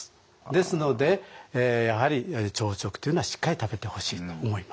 ですのでやはり朝食というのはしっかり食べてほしいと思いますね。